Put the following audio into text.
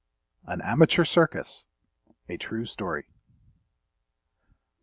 AN AMATEUR CIRCUS. A True Story.